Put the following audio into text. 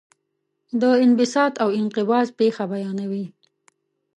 د انبساط او انقباض پېښه بیانوي.